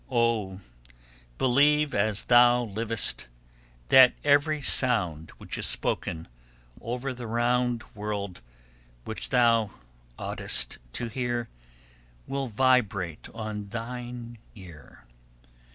"Oh, believe as thou livest, that every sound which is spoken over the round world, which thou oughtest to hear, will vibrate on thine ear.